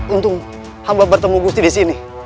untung hamba bertemu gusti di sini